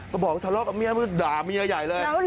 ก็บอกทะเลาะกับเมียมึงด่าเมียใหญ่เลย